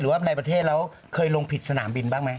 ว่าในประเทศแล้วเคยลงผิดสนามบินบ้างไหม